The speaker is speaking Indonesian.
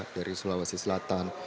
dari sulawesi selatan